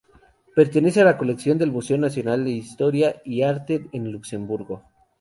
Pertenece a la colección del Museo Nacional de Historia y Arte, en Luxemburgo.